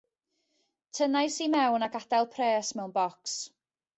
Tynnais i mewn a gadael pres mewn bocs.